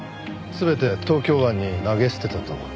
全て東京湾に投げ捨てたと。